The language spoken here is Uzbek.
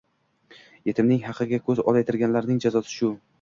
Yetimning haqiga ko‘z olaytirganning jazosi shu